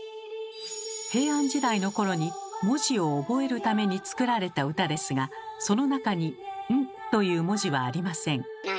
平安時代の頃に文字を覚えるために作られた歌ですがその中に「ん」という文字はありません。